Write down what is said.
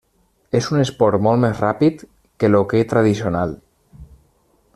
És un esport molt més ràpid que l'hoquei tradicional.